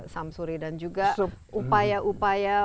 samsuri dan juga upaya upaya